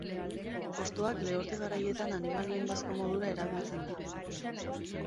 Hostoak lehorte garaietan animalien bazka modura erabiltzen da.